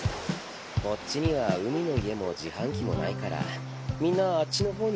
こっちには海の家も自販機もないからみんなあっちの方に行くんですよ。